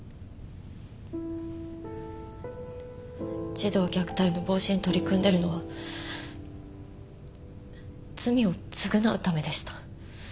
児童虐待の防止に取り組んでるのは罪を償うためでした。